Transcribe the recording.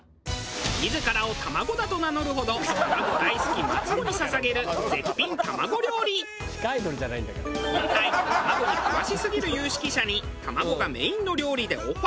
自らを「卵」だと名乗るほど今回卵に詳しすぎる有識者に卵がメインの料理でオファー。